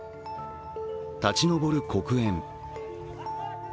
立ち上る黒煙。